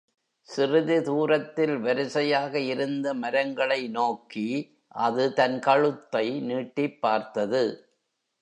சிறிது தூரத்தில் வரிசையாக இருந்த மரங்களை நோக்கி அது தன் கழுத்தை நீட்டிப் பார்த்தது.